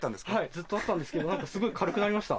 ずっとあったんですけど何かすごい軽くなりました。